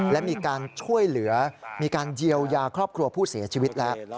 และมีการช่วยเหลือมีการเยียวยาครอบครัวผู้เสียชีวิตแล้ว